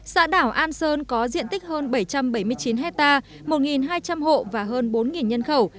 xã đảo an sơn có diện tích hơn bảy trăm bảy mươi chín hectare một hai trăm linh hộ và hơn bốn nhân khẩu